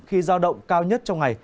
khi giao động cao nhất trong ngày